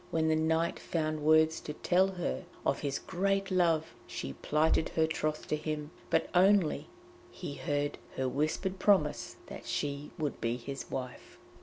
When the knight found words to tell her of his great love, she plighted her troth to him, but only he heard her whispered promise that she would be his wife.